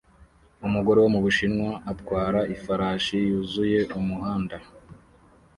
Umugore wo mu Bushinwa atwara ifarashi yuzuye umuhanda